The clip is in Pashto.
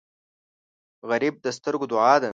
غریب د سترګو دعا ده